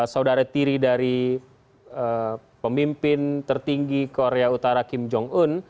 saudara tiri dari pemimpin tertinggi korea utara kim jong un